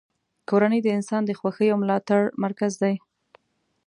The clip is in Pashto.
کورنۍ د انسان د خوښۍ او ملاتړ مرکز دی.